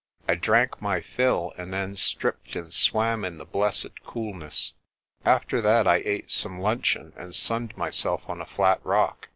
I drank my fill, and then stripped and swam in the blessed coolness. After that I ate some lunch eon, and sunned myself on a flat rock.